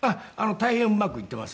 大変うまくいっています。